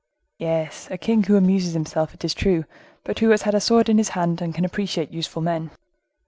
"Yes, a king who amuses himself, it is true, but who has had a sword in his hand, and can appreciate useful men.